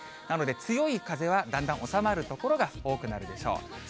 なので強い風はだんだん収まる所が多くなるでしょう。